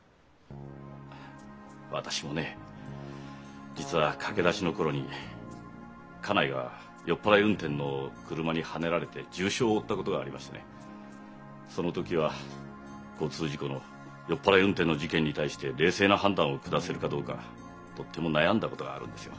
私もね実は駆け出しの頃に家内が酔っ払い運転の車にはねられて重傷を負ったことがありましてねその時は交通事故の酔っ払い運転の事件に対して冷静な判断を下せるかどうかとっても悩んだことがあるんですよ。